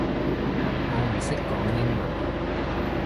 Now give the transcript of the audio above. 我唔識講英文